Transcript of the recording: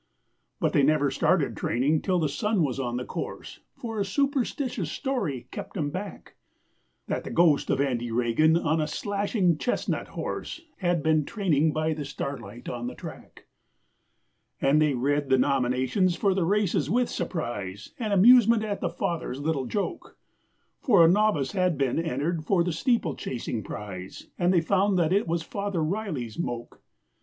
But they never started training till the sun was on the course For a superstitious story kept 'em back, That the ghost of Andy Regan on a slashing chestnut horse, Had been training by the starlight on the track. And they read the nominations for the races with surprise And amusement at the Father's little joke, For a novice had been entered for the steeplechasing prize, And they found that it was Father Riley's moke!